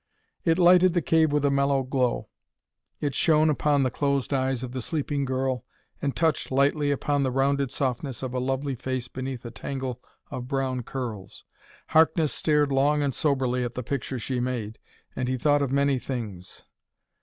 It lighted the cave with a mellow glow. It shone upon the closed eyes of the sleeping girl, and touched lightly upon the rounded softness of a lovely face beneath a tangle of brown curls. Harkness stared long and soberly at the picture she made, and he thought of many things.